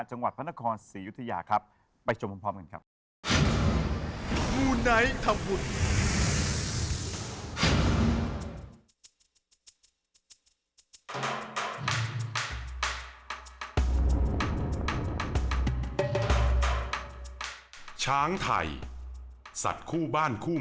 จังหวัดพระนครศรียุธยาครับไปชมพร้อมกันครับ